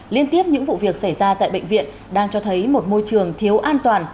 liên tiếp những vụ việc xảy ra tại bệnh viện đang cho thấy một môi trường thiếu an toàn